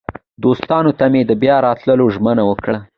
دوستانو ته مې د بیا راتلو ژمنه وکړه.